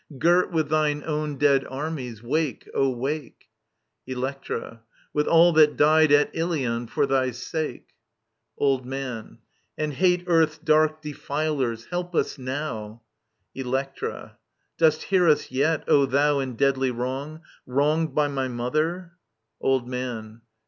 Girt with thine own dead armies, wake, O wake ! Electra. With all that died at Ilion for thy sake ••• Old Man. And hate earth's dark defilers ; help us now I Electra. Dost hear us yet, O thou in deadly wrong. Wronged by my mother ? Old Man.